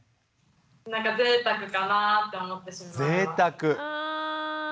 なんかぜいたくかなって思ってしまいます。